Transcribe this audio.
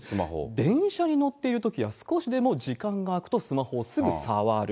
電車に乗っているときや少しでも時間が空くとスマホをすぐ触る。